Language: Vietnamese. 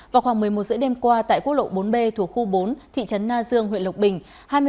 vào khoảng một mươi một h ba mươi đêm qua tại quốc lộ bốn b thuộc khu bốn thị trấn na dương huyện lộc bình